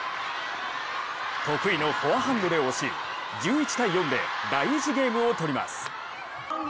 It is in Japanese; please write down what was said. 得意のフォアハンドで押し、１１−４で第１ゲームをとります。